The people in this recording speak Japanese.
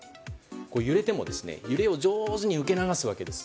揺れても揺れを上手に受け流すわけです。